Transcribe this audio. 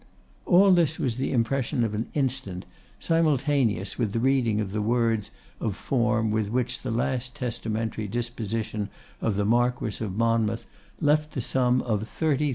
All this was the impression of an instant, simultaneous with the reading of the words of form with which the last testamentary disposition of the Marquess of Monmouth left the sum of 30,000_l.